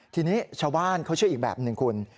ทีนี้ชาวบ้านเขาเชื่ออีกแบบหนึ่งคุณ